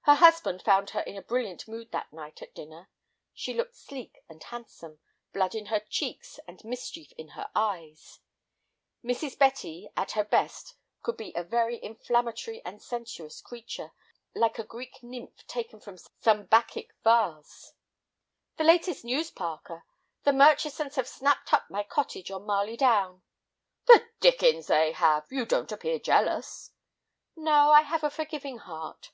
Her husband found her in a brilliant mood that night at dinner. She looked sleek and handsome, blood in her cheeks and mischief in her eyes. Mrs. Betty at her best could be a very inflammatory and sensuous creature, like a Greek nymph taken from some Bacchic vase. "The latest news, Parker—the Murchisons have snapped up my cottage on Marley Down." "The dickens they have! You don't appear jealous." "No, I have a forgiving heart.